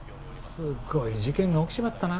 すごい事件が起きちまったな。